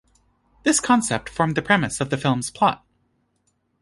This concept formed the premise of the film's plot.